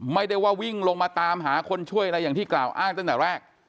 ไม่ได้ว่าวิ่งลงมาตามหาคนช่วยอะไรอย่างที่กล่าวอ้างตั้งแต่แรก